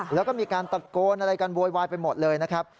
แล้วก็มีการตะโกนอะไรกันโวยวายไปหมดเลยนะครับ